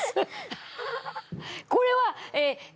これはえ